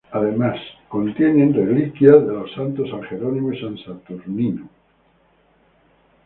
Además, contiene reliquias de los santos San Jerónimo y San Saturnino.